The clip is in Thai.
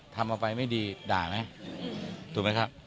ทำเอาไปไม่ดีด่าไหมถูกไหมครับ